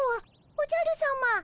おじゃるさま。